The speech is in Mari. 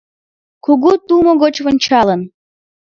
Кугу тумо гоч вончалын